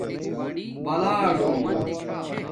بلاݽݸنݣ